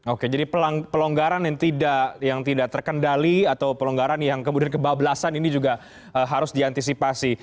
oke jadi pelonggaran yang tidak terkendali atau pelonggaran yang kemudian kebablasan ini juga harus diantisipasi